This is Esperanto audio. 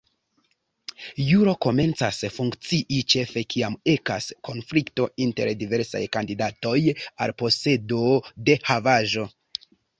Juro komencas funkcii ĉefe kiam ekas konflikto inter diversaj kandidatoj al posedo de havaĵo.